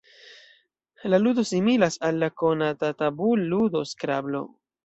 La ludo similas al la konata tabul-ludo skrablo.